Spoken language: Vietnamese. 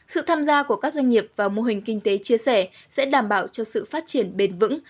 sự tham gia của các doanh nghiệp vào mô hình kinh tế chia sẻ sẽ đảm bảo cho sự phát triển bền vững